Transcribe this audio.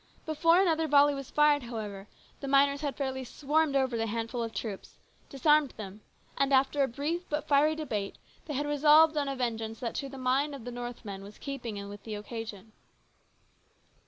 Before another volley was fired, however, the miners had fairly swarmed over the handful of troops, disarmed them, and after a brief but fiery debate they had resolved on a vengeance that to the mind of the North men was in keeping with the occasion.